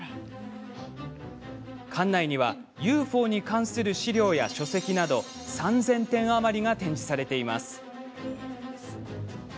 館内にはＵＦＯに関する資料や書籍など３０００点余りが展示されています。